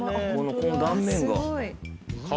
この断面が。